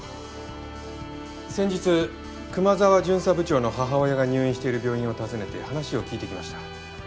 先日熊沢巡査部長の母親が入院している病院を訪ねて話を聞いてきました。